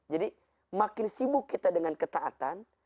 jadi makin sibuk kita dengan ketaatan